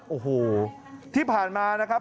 โอ้โหที่ผ่านมานะครับ